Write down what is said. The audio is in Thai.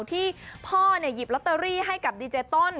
ที่พ่อหยิบลอตเตอรี่ให้กับดีเจต้น